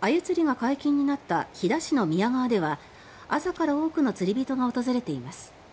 アユ釣りが解禁になった飛騨市の宮川では朝から多くの釣り人が訪れています。